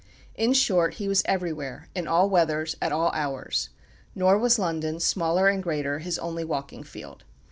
In short, he was everywhere, in all weathers, at all hours. Nor was London, smaller and greater, his only walking field.